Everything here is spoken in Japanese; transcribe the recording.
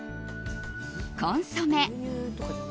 コンソメ。